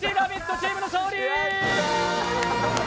チームの勝利！